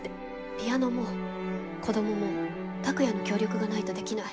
ピアノも子どもも拓哉の協力がないとできない。